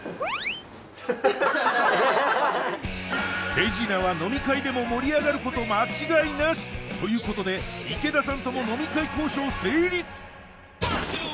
手品は飲み会でも盛り上がること間違いなしということで池田さんとも飲み会交渉成立！